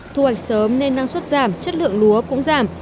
thu hoạch sớm nên năng suất giảm chất lượng lúa cũng giảm